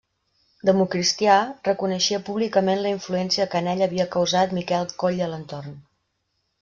Democristià, reconeixia públicament la influència que en ell havia causat Miquel Coll i Alentorn.